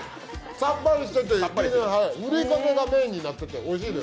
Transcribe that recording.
さっぱりしてて、いりこがメインになってておいしいです。